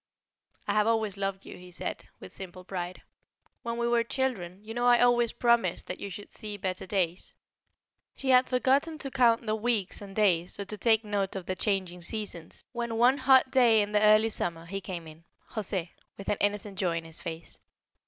"I have always loved you," he said, with simple pride. "When we were children, you know I always promised that you should see better days." She had forgotten to count the weeks and days, or to take note of the changing seasons, when one hot day in the early summer he came in José with an innocent joy in his face.